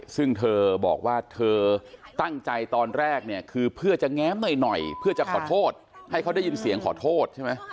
ซึ่งเธอบอกว่าเธอตั้งใจตอนแรกเนี่ยคือเพื่อจะแง้มหน่อยเพื่อจะขอโทษให้เขาได้ยินเสียงขอโทษใช่ไหม